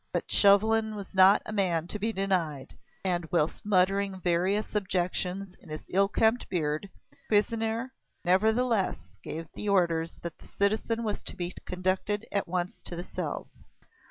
But Chauvelin was not a man to be denied, and whilst muttering various objections in his ill kempt beard, Cuisinier, nevertheless, gave orders that the citizen was to be conducted at once to the cells.